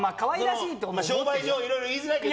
商売上いろいろ言いづらいけど。